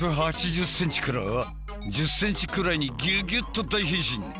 １８０ｃｍから１０ｃｍくらいにギュギュッと大変身。